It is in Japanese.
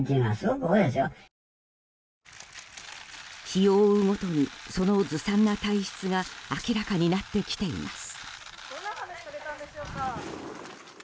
日を追うごとにそのずさんな体質が明らかになってきています。